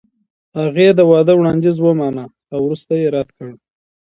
هغې د واده وړاندیز ومانه او وروسته یې رد کړ.